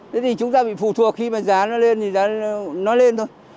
thế thì chúng ta bị phụ thuộc khi mà giá nó lên thì giá nó lên thôi